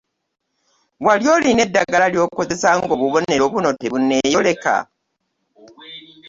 Wali olina eddagala ly’okozesa ng’obubonero buno tebunneeyoleka?